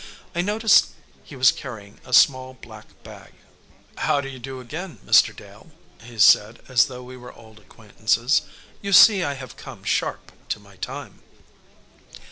I noticed he was carrying a small black bag. "How do you do again, Mr. Dale?" he said as though we were old acquaintances; "you see I have come sharp to my time."